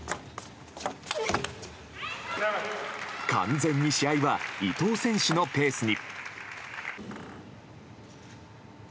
完全に試合は伊藤選手のペースに。